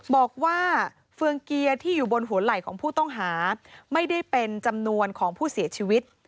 บอกว่าเฟืองเกียร์ที่อยู่บนหัวไหล่ของผู้ต้องหาไม่ได้เป็นจำนวนของผู้เสียชีวิต